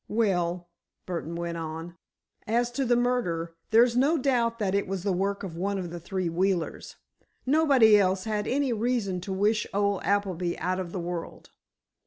"Well," Burdon went on, "as to the murder, there's no doubt that it was the work of one of the three Wheelers. Nobody else had any reason to wish old Appleby out of the world."